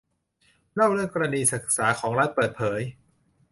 เล่าเรื่องกรณีศึกษาของรัฐเปิดเผย